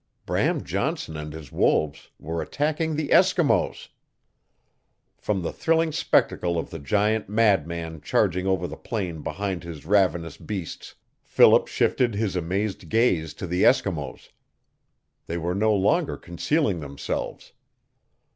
Bram Johnson and his wolves were attacking the Eskimos! From the thrilling spectacle of the giant mad man charging over the plain behind his ravenous beasts Philip shifted his amazed gaze to the Eskimos. They were no longer concealing themselves.